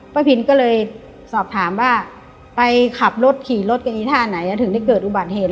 พินก็เลยสอบถามว่าไปขับรถขี่รถกันอีท่าไหนถึงได้เกิดอุบัติเหตุ